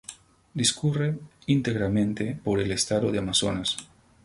Discurre íntegramente por el estado de Amazonas.